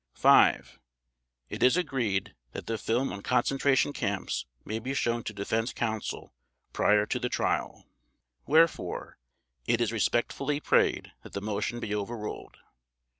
(5) It is agreed that the film on Concentration Camps may be shown to Defense Counsel prior to the Trial. WHEREFORE, it is respectfully prayed that the Motion be overruled.